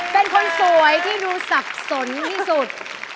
เป็นคนสวยที่ดูสับสนที่สุด